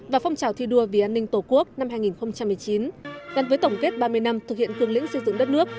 và phong trào thi đua vì an ninh tổ quốc năm hai nghìn một mươi chín gắn với tổng kết ba mươi năm thực hiện cường lĩnh xây dựng đất nước